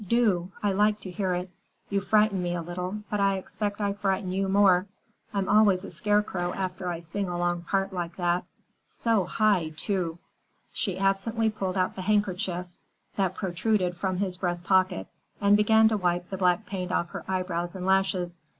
Do: I like to hear it. You frighten me a little, but I expect I frighten you more. I'm always a scarecrow after I sing a long part like that—so high, too." She absently pulled out the handkerchief that protruded from his breast pocket and began to wipe the black paint off her eyebrows and lashes.